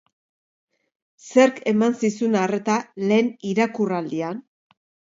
Zerk eman zizun arreta lehen irakurraldian?